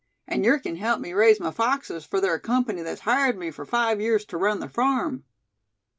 An' yer kin help me raise my foxes fur ther company thet's hired me fur five years ter run ther farm."